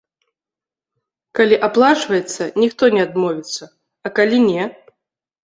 Калі аплачваецца, ніхто не адмовіцца, а калі не?